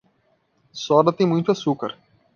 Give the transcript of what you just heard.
Soda tem muito açúcar.